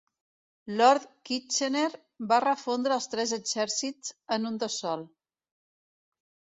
Lord Kitchener va refondre els tres exèrcits en un de sol.